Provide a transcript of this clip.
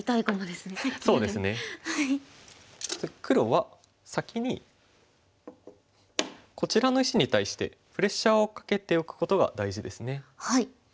黒は先にこちらの石に対してプレッシャーをかけておくことが大事ですね。